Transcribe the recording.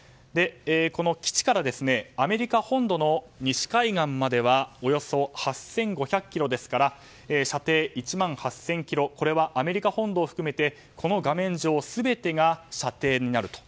この基地からアメリカ本土の西海岸まではおよそ８５００ｋｍですから射程１万８０００ｋｍこれはアメリカ本土を含めてこの画面上、全てが射程になると。